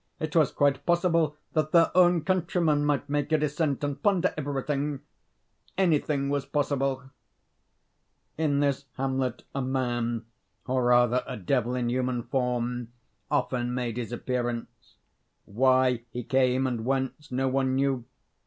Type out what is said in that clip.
It was quite possible that their own countrymen might make a descent and plunder everything. Anything was possible. In this hamlet a man, or rather a devil in human form, often made his appearance. Why he came, and whence, no one knew.